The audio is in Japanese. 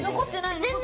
全然。